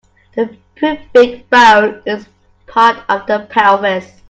The pubic bone is part of the pelvis.